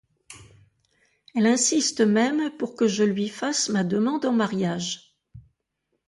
Elle insiste même pour que je lui fasse ma demande en mariage.